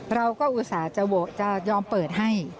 อุตส่าห์จะยอมเปิดให้